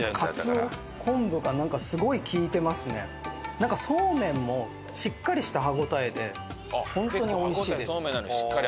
なんかそうめんもしっかりした歯応えで本当においしいです。